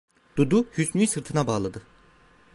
Dudu, Hüsnü'yü sırtına bağladı.